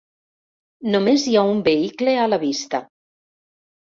Només hi ha un vehicle a la vista.